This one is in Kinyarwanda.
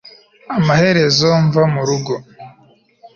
amaherezo mva mu rugo